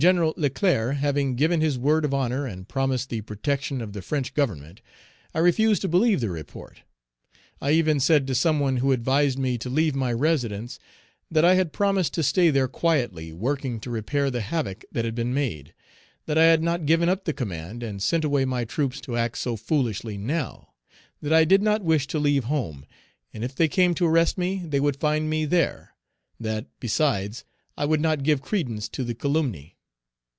Leclerc having given his word of honor and promised the protection of the French Government, I refused to believe the report; I even said to some one who advised me to leave my residence, that I had promised to stay there quietly, working to repair the havoc that had been made; that I had not given up the command and sent away my troops to act so foolishly now; that I did not wish to leave home, and if they came to arrest me, they would find me there; that, besides, I would not give credence to the calumny.